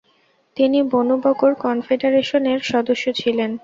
তিনি Banu Bakr কনফেডারেশনের সদস্য ছিলেন।